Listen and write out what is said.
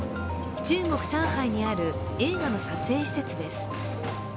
中国・上海にある映画の撮影施設です。